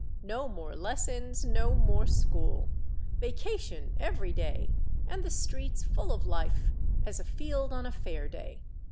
No more lessons, no more school ! Vacation every day, and the streets full of life as a field on a fair day